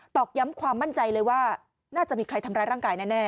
อกย้ำความมั่นใจเลยว่าน่าจะมีใครทำร้ายร่างกายแน่